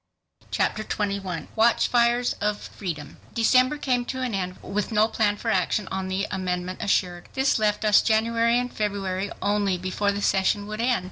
Chapter 21 Watchfires of Freedom December came to an end with no plan for action on the amendment assured. This left us January and February only before the session would end.